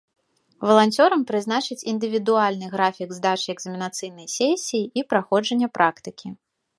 Валанцёрам прызначаць індывідуальны графік здачы экзаменацыйнай сесіі і праходжання практыкі.